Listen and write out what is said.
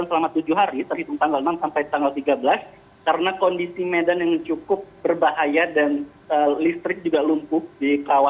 nah ini kondisinya kan dia